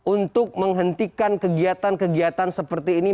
untuk menghentikan kegiatan kegiatan seperti ini